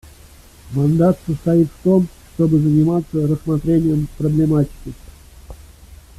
Мандат состоит в том, чтобы заниматься рассмотрением проблематики.